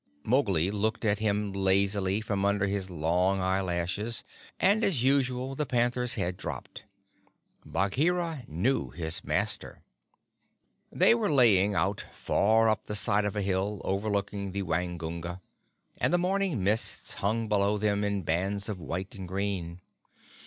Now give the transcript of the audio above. Mowgli looked at him lazily from under his long eyelashes, and, as usual, the panther's head dropped. Bagheera knew his master. They were lying out far up the side of a hill overlooking the Waingunga, and the morning mist hung below them in bands of white and green.